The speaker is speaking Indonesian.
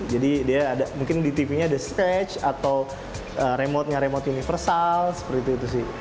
jadi dia ada mungkin di tv nya ada scratch atau remote nya remote universal seperti itu sih